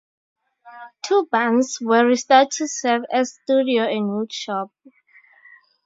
Two barns were restored to serve as studio and wood shop.